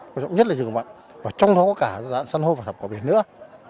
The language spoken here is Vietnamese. quan trọng nhất là dừng ngập mặn và trong đó có cả dạng săn hô và thập quả biển nữa